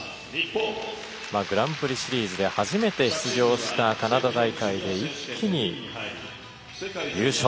グランプリシリーズで初めて出場したカナダ大会で一気に優勝。